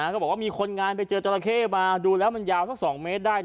ก็บอกว่ามีคนงานไปเจอจราเข้มาดูแล้วมันยาวสัก๒เมตรได้